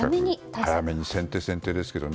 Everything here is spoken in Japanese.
早めに先手先手ですけどね。